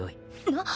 なっ！